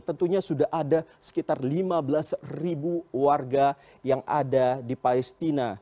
tentunya sudah ada sekitar lima belas ribu warga yang ada di palestina